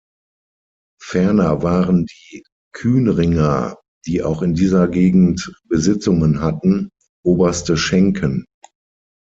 Ferner waren die Kuenringer, die auch in dieser Gegend Besitzungen hatten, "Oberste Schenken".